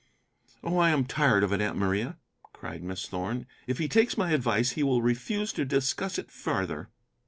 "Oh, I am tired of it, Aunt Maria," cried Miss Thorn; "if he takes my advice, he will refuse to discuss it farther."